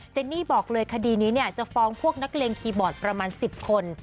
นี่บอกเลยคดีนี้จะฟ้องพวกนักเลงคีย์บอร์ดประมาณ๑๐คน